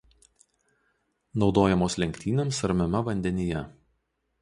Naudojamos lenktynėms ramiame vandenyje.